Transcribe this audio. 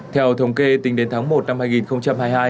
theo thống kê tính đến tháng một năm hai nghìn hai mươi hai